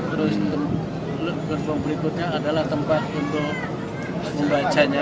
terus gerbong berikutnya adalah tempat untuk membacanya